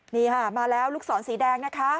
นี่ค่ะมาแล้วลูกศรสีแดงนะคะ